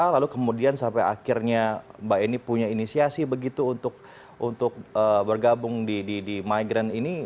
lalu kemudian sampai akhirnya mbak eni punya inisiasi begitu untuk bergabung di migran ini